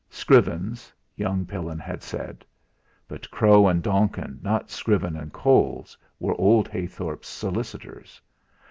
Scrivens young Pillin had said! But Crow & Donkin, not Scriven & Coles, were old Heythorp's solicitors.